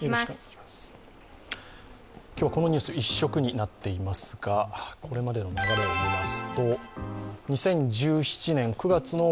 今日はこのニュース一色になっていますがこれまでの流れを見ます。